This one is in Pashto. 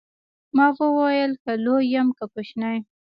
ما وويل که لوى يم که کوچنى.